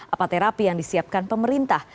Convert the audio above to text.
apa terapi yang disiapkan pemerintah